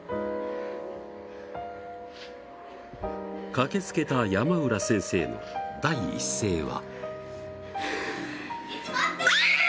駆け付けた山浦先生の第一声は。